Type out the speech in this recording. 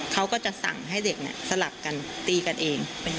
เขาก็จะสั่งให้เด็กสลับกันตีกันเอง